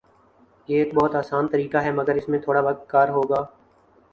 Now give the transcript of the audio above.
یہ ایک بہت آسان طریقہ ہے مگر اس میں تھوڑا وقت کار ہوگا